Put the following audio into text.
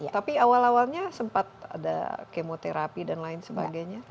tapi awal awalnya sempat ada kemoterapi dan lain sebagainya